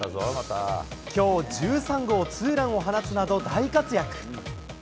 きょう、１３号ツーランを放つなど、大活躍。